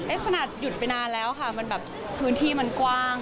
ขนาดหยุดไปนานแล้วค่ะมันแบบพื้นที่มันกว้าง